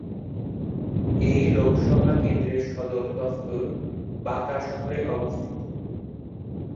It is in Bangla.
এই লোকসভা কেন্দ্রের সদর দফতর বাঁকা শহরে অবস্থিত।